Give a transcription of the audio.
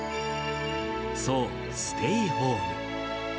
そう、ステイホーム。